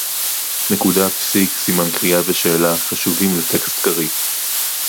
נקודה, פסיק, סימן קריאה ושאלה חשובים לטקסט קריא